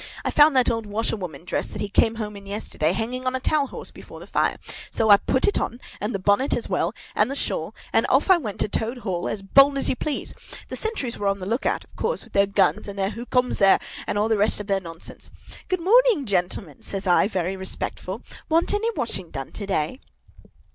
I found that old washerwoman dress that he came home in yesterday, hanging on a towel horse before the fire. So I put it on, and the bonnet as well, and the shawl, and off I went to Toad Hall, as bold as you please. The sentries were on the look out, of course, with their guns and their 'Who comes there?' and all the rest of their nonsense. 'Good morning, gentlemen!' says I, very respectful. 'Want any washing done to day?